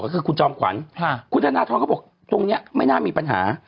ก็คือคุณจอมขวัญคุณธนทรเขาบอกตรงนี้ไม่น่ามีปัญหา